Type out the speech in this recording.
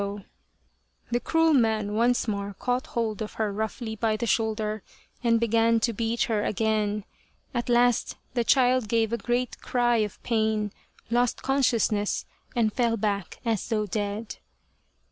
Urasato, or the Crow of Dawn The cruel man once more caught hold of her roughly by the shoulder and began to beat her again. At last the child gave a great cry of pain, lost consciousness, and fell back as though dead.